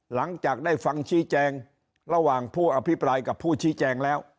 หลังจากได้ฟังชี้แจงระหว่างผู้อภิปรายกับผู้ชี้แจงแล้ว